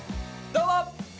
どうも！